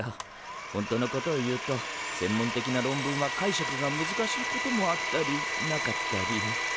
本当のことを言うと専門的な論文は解釈が難しいこともあったりなかったり。